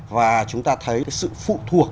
và chúng ta thấy sự phụ thuộc